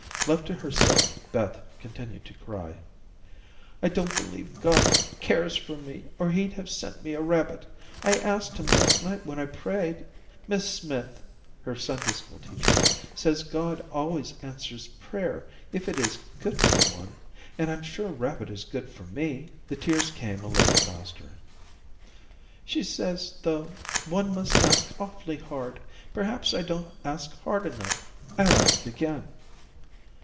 Left to herself, Beth continued to cry. "I don't believe God cares for me, or He'd have sent me a rabbit. I asked Him last night when I prayed. Miss Smith" her Sunday school. teacher "says God always answers prayer if it is good for one, and I'm sure rabbit is good for me." The tears came a little faster. "She says, though, one must ask awfully hard. Perhaps I don't ask hard enough. I'll ask again."